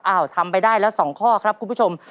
อ้าวทำไปได้แล้วสองข้อครับคุณผู้ชม